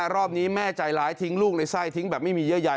รอบนี้แม่ใจร้ายทิ้งลูกในไส้ทิ้งแบบไม่มีเยื่อใย